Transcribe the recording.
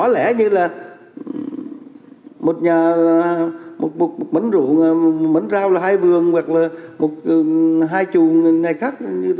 có lẽ như là một mảnh rượu một mảnh rau là hai vườn hoặc là hai chù ngày khác